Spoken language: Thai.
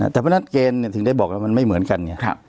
แต่เมื่อนั้นเกณฑ์ถึงได้บอกว่ามันไม่เหมือนกัน